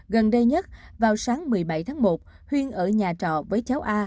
gần đây nhất vào sáng một mươi bảy tháng một huyên ở nhà trọ với cháu a